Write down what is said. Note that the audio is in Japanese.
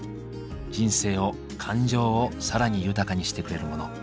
人生を感情を更に豊かにしてくれるモノ。